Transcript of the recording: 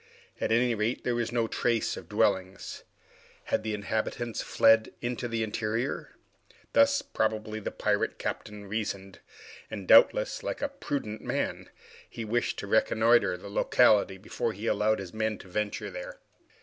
At any rate, there was no trace of dwellings. Had the inhabitants fled into the interior? Thus probably the pirate captain reasoned, and doubtless, like a prudent man, he wished to reconnoiter the locality before he allowed his men to venture there.